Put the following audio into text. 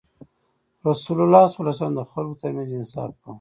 رسول الله ﷺ د خلکو ترمنځ انصاف کاوه.